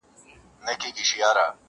ادبي غونډه کي نيوکي وسوې